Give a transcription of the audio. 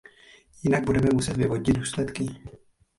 Jinak budeme muset vyvodit důsledky.